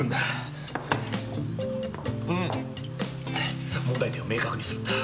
うん問題点を明確にするんだ。